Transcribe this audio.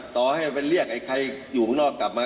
ทำแบบเดิมมันก็เจ๊งแบบเดิม